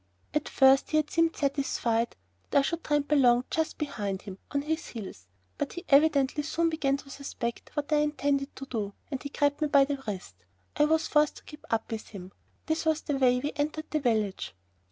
At first he had seemed satisfied that I should tramp along just behind him, on his heels, but he evidently soon began to suspect what I intended to do, and he grabbed me by the wrist. I was forced to keep up with him. This was the way we entered the village.